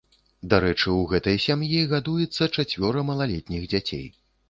Дарэчы, у гэтай сям'і гадуецца чацвёра малалетніх дзяцей.